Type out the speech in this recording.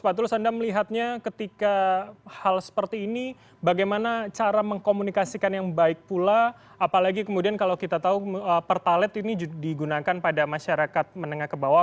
pak tulus anda melihatnya ketika hal seperti ini bagaimana cara mengkomunikasikan yang baik pula apalagi kemudian kalau kita tahu pertalite ini digunakan pada masyarakat menengah ke bawah